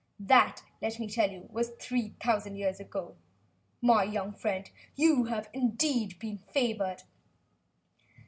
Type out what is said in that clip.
That, let me tell you, was three thousand years ago. My young friend, you have indeed been favored!"